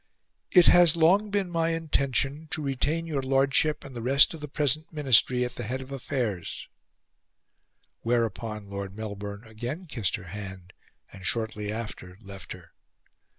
"It has long been my intention to retain your Lordship and the rest of the present Ministry at the head of affairs;" whereupon Lord Melbourne again kissed her hand and shortly after left her.